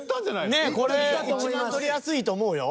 ねえこれ一番獲りやすいと思うよ。